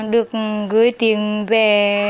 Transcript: được gửi tiền về